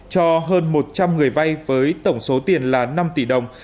cho hơn một trăm linh người vay với tổng số tiền là năm tỷ đồng